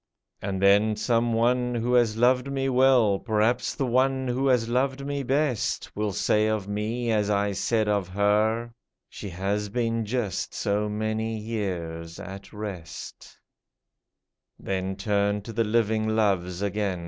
And then someone who has loved me well — Perhaps the one who has loved me best — Will say of me as I said of her, " She has been just so many years at rest " Then turn to the living loves again.